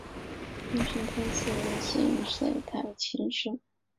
应神天皇赐姓太秦氏。